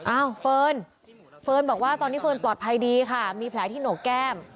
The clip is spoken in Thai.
เอเฟิร์นเฟิร์นบอกว่าตอนนี้เฟิร์นปลอดภัยดีค่ะมีแผลที่โหนกแก้ม